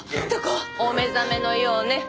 お目覚めのようね。